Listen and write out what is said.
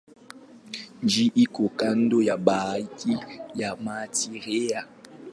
Mji uko kando ya bahari ya Mediteranea.